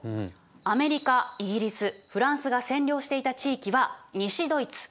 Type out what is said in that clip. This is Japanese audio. アメリカイギリスフランスが占領していた地域は西ドイツ。